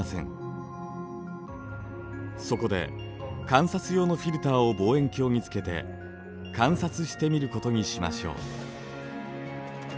そこで観察用のフィルターを望遠鏡につけて観察してみることにしましょう。